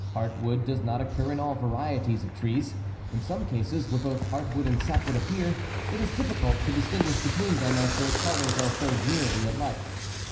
Heartwood does not occur in all varieties of trees. In some cases, where both heartwood and sapwood appear, it is difficult to distinguish between them as their colors are so nearly alike.